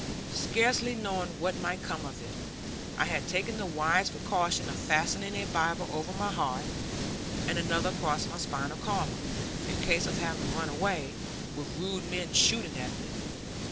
Scarce knowing what might come of it, I had taken the wise precaution of fastening a Bible over my heart, and another across my spinal column, in case of having to run away, with rude men shooting after me.